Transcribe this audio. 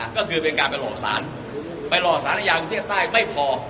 ก็คือเป็นการไปหลอกสารไปหลอกสารอาญากรุงเทพใต้ไม่พอ